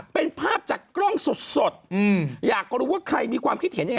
ตอนถ่ายไม่มีใครเดิน